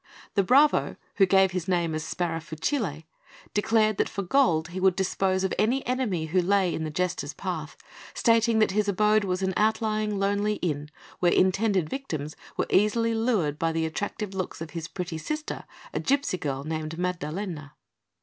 The bravo, who gave his name as Sparafucile, declared that for gold he would dispose of any enemy who lay in the Jester's path, stating that his abode was an outlying, lonely inn, where intended victims were easily lured by the attractive looks of his pretty sister, a gipsy girl named Maddalena.